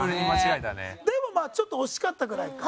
でもまあちょっと惜しかったぐらいか。